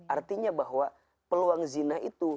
artinya bahwa peluang zina itu